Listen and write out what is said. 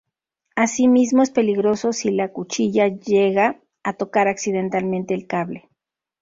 Asimismo es peligroso si la cuchilla llega a tocar accidentalmente el cable.